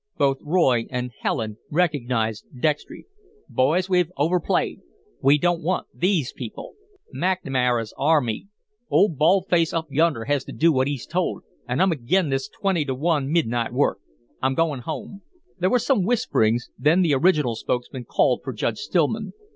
Both Roy and Helen recognised Dextry. "Boys, we've overplayed. We don't want THESE people McNamara's our meat. Old bald face up yonder has to do what he's told, and I'm ag'in' this twenty to one midnight work. I'm goin' home." There were some whisperings, then the original spokesman called for Judge Stillman.